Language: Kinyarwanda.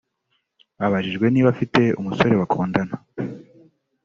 Abajijwe niba afite umusore bakundana